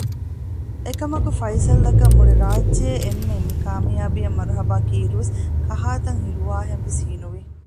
އެކަމަކު ފައިސަލްއަކަށް މުޅިރާއްޖޭ އެންމެން މިކާމިޔާބީއަށް މަރުހަބާ ކީއިރުވެސް ކަހާތަން ހިރުވާހެންވެސް ހީނުވި